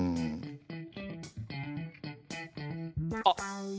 あ！